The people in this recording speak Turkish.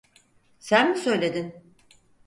Sen mi söyledin?